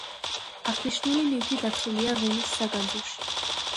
აღნიშნული ნივთი დაცულია ვენის საგანძურში.